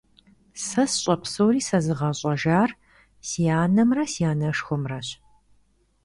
Сэ сщӀэ псори сэзыгъэщӀэжар си анэмрэ, си анэшхуэмрэщ.